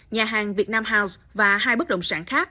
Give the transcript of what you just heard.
nhà hàng vietnam house và hai bức động sản khác